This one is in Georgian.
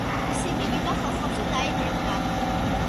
მისი მიმინო ხოხობს დაედევნა,